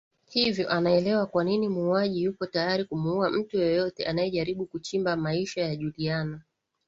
Hivyo anaelewa kwanini muuaji yupo tayari kumuua mtu yeyote anaejaribu kuchimba Maisha ya Juliana